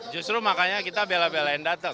justru makanya kita bela belain datang